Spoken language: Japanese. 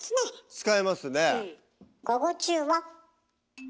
使いますね。